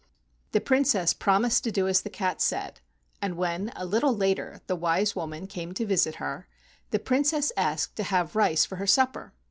The Princess promised to do as the cat said, and when, a little later, the wise woman came to visit her, the Princess asked to have rice for her supper.